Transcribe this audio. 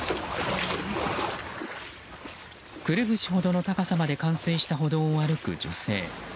くるぶしほどの高さまで冠水した歩道を歩く女性。